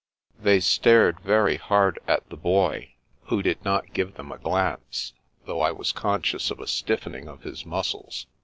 They stared very hard at the Boy, who did not The Americans 299 give them a glance, though I was conscious of a stiff ening of his muscles.